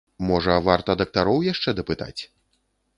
Можа, варта дактароў яшчэ дапытаць?